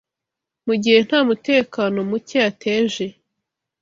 mu gihe nta mutekano muke yateje